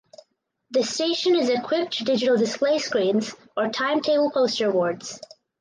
The station is equipped digital display screens or timetable poster boards.